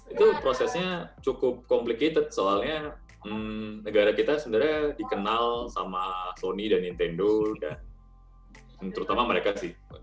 itu prosesnya cukup complicated soalnya negara kita sebenarnya dikenal sama tony dan nintendo dan terutama mereka sih